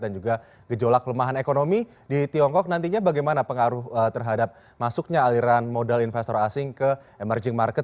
dan juga gejolak lemahan ekonomi di tiongkok nantinya bagaimana pengaruh terhadap masuknya aliran modal investor asing ke emerging market